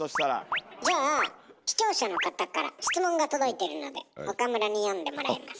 じゃあ視聴者の方から質問が届いてるので岡村に読んでもらいます。